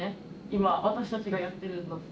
今私たちがやってるのって。